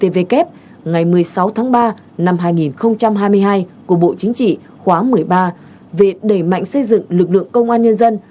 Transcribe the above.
vkp ngày một mươi sáu tháng ba năm hai nghìn hai mươi hai của bộ chính trị khóa một mươi ba về đẩy mạnh xây dựng lực lượng công an nhân dân